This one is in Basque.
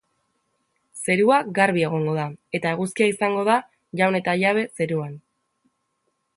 Zerua garbi egongo da eta eguzkia izango da jaun eta jabe zeruan.